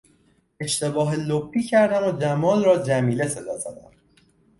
اشتباه لپی کردم و جمال را جمیله صدا زدم.